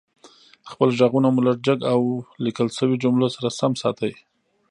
خپل غږونه مو لږ جګ او ليکل شويو جملو سره سم ساتئ